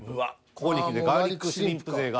ここにきてガーリックシュリンプ勢が。